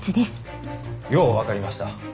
よう分かりました。